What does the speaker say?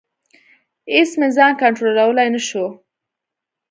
اېڅ مې ځان کنټرولولی نشو.